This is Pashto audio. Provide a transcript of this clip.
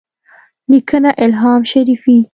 لیکنه: الهام شریفی